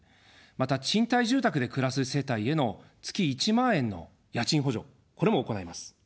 また、賃貸住宅で暮らす世帯への月１万円の家賃補助、これも行います。